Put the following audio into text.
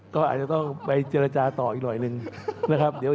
ก็อาจจะต้องไปเจรจาต่ออีกหน่อยหนึ่งนะครับ